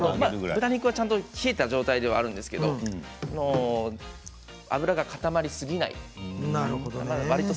豚肉は冷えた状態であるんですけれど、脂が固まりすぎない。